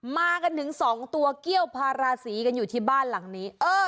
มากันถึง๒ตัวเกี้ยวพาราศีกันอยู่ที่บ้านหลังนี้